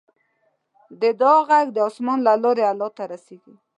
د دعا غږ د اسمان له لارې الله ته رسیږي.